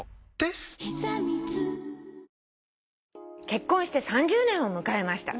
「結婚して３０年を迎えました」